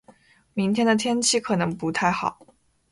明天的天气可能不太好。